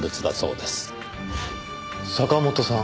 坂本さん。